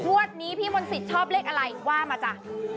วันนี้พี่มนต์สิทธิ์ชอบเลขอะไรว่ามาจ้ะ